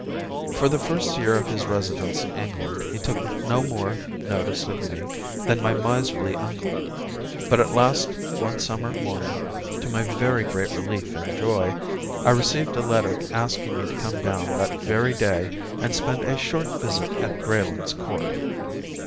For the first year of his residence in England he took no more notice of me than my miserly uncle; but at last one summer morning, to my very great relief and joy, I received a letter asking me to come down that very day and spend a short visit at Greylands Court.